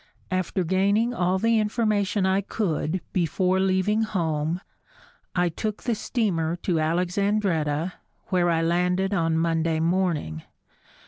After gaining all the information I could before leaving home, I took the steamer to Alexandretta, where I landed on Monday morning.